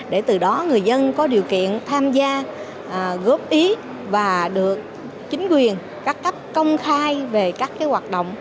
để từ đó người dân có điều kiện tham gia góp ý và được chính quyền các cấp công khai về các hoạt động